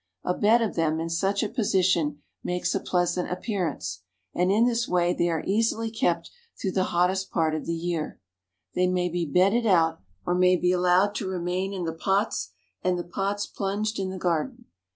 A bed of them in such a position makes a pleasant appearance, and in this way they are easily kept through the hottest part of the year. They may be bedded out, or may be allowed to remain in the pots and the pots plunged in the garden.